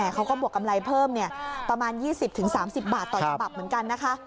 เขาก็บวกกำไรเพิ่มประมาณ๒๐๓๐บาทต่อฉบับเหมือนกันนะคะ